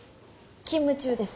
勤務中です。